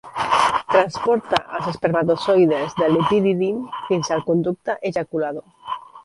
Transporta els espermatozoides de l"epidídim fins al conducte ejaculador.